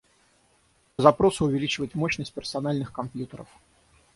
По запросу увеличивать мощность персональных компьютеров